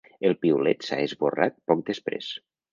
El piulet s’ha esborrat poc després.